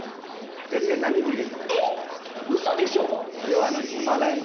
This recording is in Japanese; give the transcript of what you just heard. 全然なんにも入れてない。